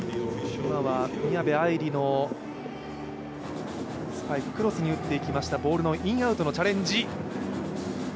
宮部藍梨のスパイククロスに打っていきましたボール、インアウトのチャレンジ。